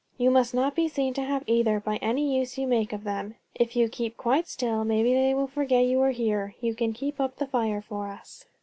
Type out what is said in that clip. You must not be seen to have either by any use you make of them. If you keep quite still, maybe they will forget you are here. You can keep up the fire for us."